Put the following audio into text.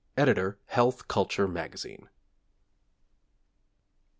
Editor, Health Culture Magazine.